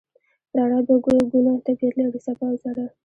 رڼا دوه ګونه طبیعت لري: څپه او ذره.